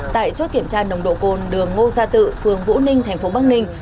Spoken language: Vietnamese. tại chốt kiểm tra nồng độ cồn đường ngô gia tự phường vũ ninh thành phố bắc ninh